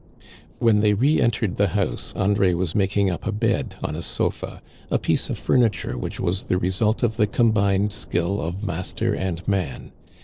When they re entered the house André was making up a bed on a sofa, a piece of furniture which was the result of the combined skill of master and man.